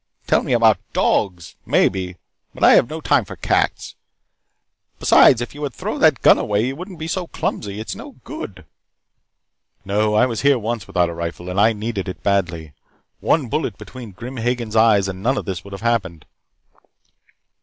Tell me about dogs, maybe, but I have no time for cats. Besides, if you would throw that gun away you wouldn't be so clumsy. It's no good." "No. I was here once without a rifle, and I needed it badly. One bullet between Grim Hagen's eyes and none of this would have happened."